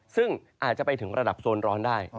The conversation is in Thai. ซึ่งอาจจะไปถึงระดับโซนร้อนได้